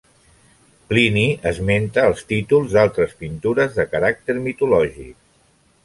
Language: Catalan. Plini esmenta els títols d'altres pintures de caràcter mitològic.